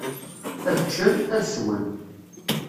Ad ččen, ad swen.